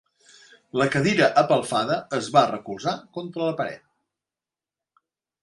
La cadira apelfada es va recolzar contra la paret.